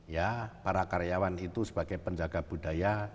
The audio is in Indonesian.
ya para karyawan itu sebagai penjaga budaya